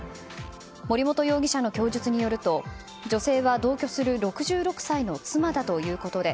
森本容疑者の供述によると女性は同居する６６歳の妻だということで